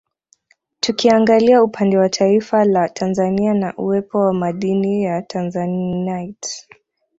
Tukiangalia upande wa taifa la Tanzania na uwepo wa madini ya Tanzanite